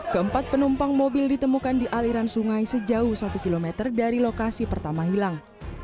keempat penumpang mobil ditemukan di aliran sungai sejauh satu km dari lokasi pertama hilang